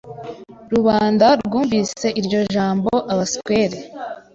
Rubanda rwumvise iryo jambo abaswere